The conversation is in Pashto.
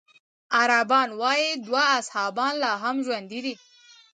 عربان وايي دوه اصحابان لا هم ژوندي دي.